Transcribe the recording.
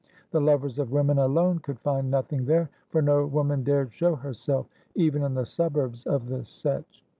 The lovers of women alone could find nothing there, for no woman dared show herself even in the suburbs of the Setch.